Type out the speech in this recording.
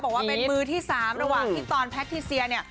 บอกว่าเป็นมือที่๓ระหว่างที่ตอนแพทิเซียเนี่ย